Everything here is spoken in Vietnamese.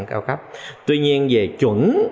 cao cấp tuy nhiên về chuẩn